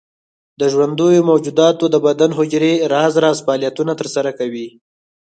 د ژوندیو موجوداتو د بدن حجرې راز راز فعالیتونه تر سره کوي.